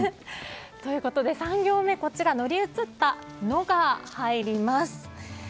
ということで３行目乗り移ったの「ノ」が入ります。